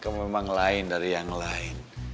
kamu memang lain dari yang lain